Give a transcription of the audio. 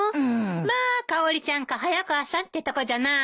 まあかおりちゃんか早川さんってとこじゃないの。